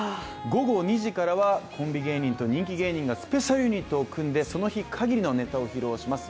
午後２時からはコンビ芸人がスペシャルユニットを組んでその日かぎりのネタを披露します。